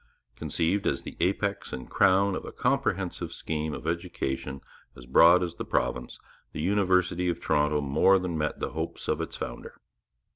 Conceived as the apex and crown of a comprehensive scheme of education as broad as the province, the University of Toronto more than met the hopes of its founder.